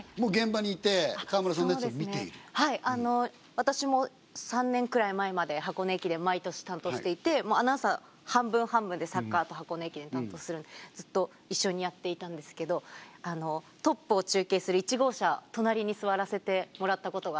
私も３年くらい前まで「箱根駅伝」毎年担当していてアナウンサー半分半分で「サッカー」と「箱根駅伝」担当するんでずっと一緒にやっていたんですけどトップを中継する１号車隣に座らせてもらったことがあって。